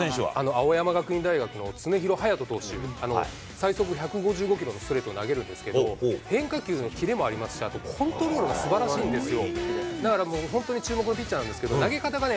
青山学院大学の常廣羽也斗投手、最速１５５キロのストレートを投げるんですけど、変化球のキレもありますし、あとコントロールがすばらしいんですよ。